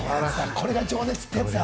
これが情熱ってやつだ。